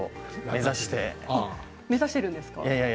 目指しているんですか？